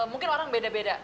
mungkin orang beda beda